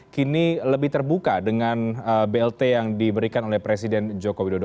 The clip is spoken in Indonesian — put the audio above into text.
kini lebih terbuka dengan blt yang diberikan oleh presiden joko widodo